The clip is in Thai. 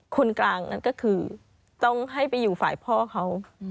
คนกลางนั้นก็คือต้องให้ไปอยู่ฝ่ายพ่อเขา